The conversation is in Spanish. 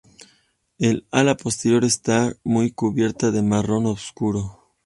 El ala posterior está muy cubierta de marrón oscuro.